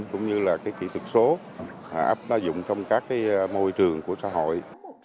cũng như là kỹ thuật số áp đa dụng trong các môi trường của xã hội